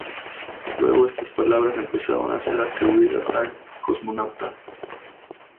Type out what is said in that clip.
Luego estas palabras empezaron a ser atribuidas al cosmonauta.